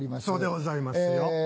そうでございますよ。